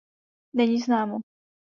Není známo.